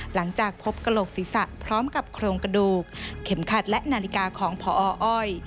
หลังจากพบกระโหลกศีรษะพร้อมกับโครงกระดูกเข็มขัดและนาฬิกาของพออ้อย